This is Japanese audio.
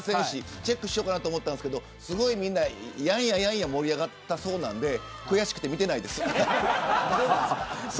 チェックしようかなと思ったんですけどやんややんや盛り上がったそうなんで悔しくて見てないです。